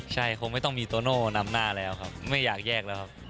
ใช่คงไม่ต้องมีโตโน่นำหน้าแล้วครับไม่อยากแยกแล้วครับ